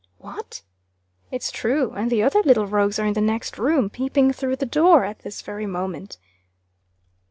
"What!" "It's true. And the other little rogues are in the next room, peeping through the door, at this very moment."